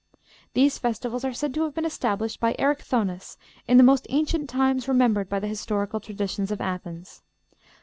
These festivals are said to have been established by Erichthonis in the most ancient times remembered by the historical traditions of Athens.